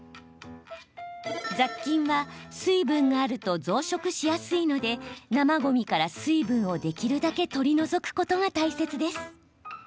雑菌は水分があると増殖しやすいので、生ごみから水分をできるだけ取り除くことが大切です。